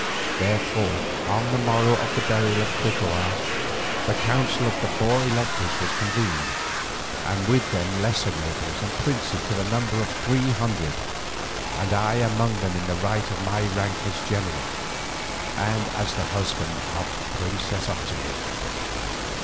Therefore on the morrow of the burial of Cuitlahua the council of the four electors was convened, and with them lesser nobles and princes to the number of three hundred, and I among them in the right of my rank as general, and as husband of the princess Otomie.